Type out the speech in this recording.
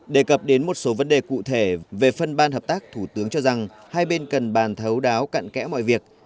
đề cập đến một số vấn đề cụ thể về phân ban hợp tác thủ tướng cho rằng hai bên cần bàn thấu đáo cạn kẽ mọi việc